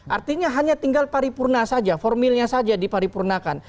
artinya hanya tinggal paripurna saja formilnya saja diparipurnakan